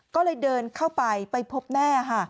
ก็เลยเดินเข้าไปไปพบแม่ค่ะ